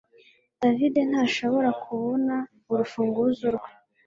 David ntashobora kubona urufunguzo rwe